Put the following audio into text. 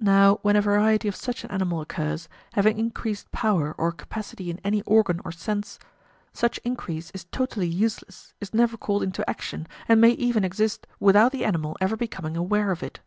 Now when a variety of such an animal occurs, having increased power or capacity in any organ or sense, such increase is totally useless, is never called into action, and may even exist without the animal ever becoming aware of it.